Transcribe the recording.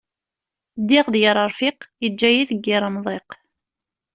Ddiɣ d yir aṛfiq, iǧǧa-yi deg yir amḍiq.